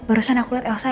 barusan aku liat elsa